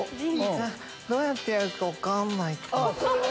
どうやってやるか分かんないかも。